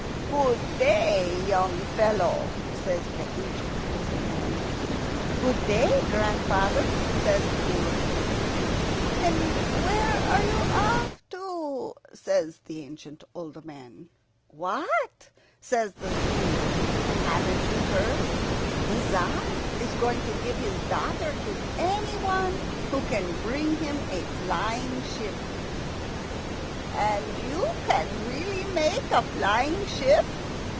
"Good day, young fellow," says the ancient old man. "Good day, grandfather," says the Fool of the World. "And where are you off to?" says the ancient old man. "What!" says the Fool; "haven't you heard? The Tzar is going to give his daughter to any one who can bring him a flying ship." "And you can really make a flying ship?"